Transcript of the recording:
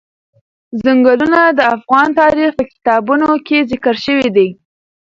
ځنګلونه د افغان تاریخ په کتابونو کې ذکر شوی دي.